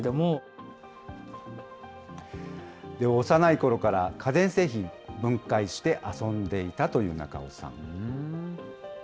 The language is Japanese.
幼いころから家電製品、分解して遊んでいたという中尾さん。